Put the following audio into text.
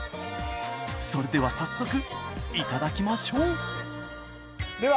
それでは早速いただきましょうでは。